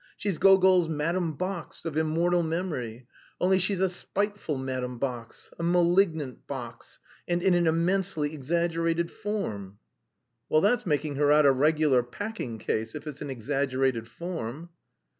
She's Gogol's Madame Box, of immortal memory, only she's a spiteful Madame Box, a malignant Box, and in an immensely exaggerated form." "That's making her out a regular packing case if it's an exaggerated form."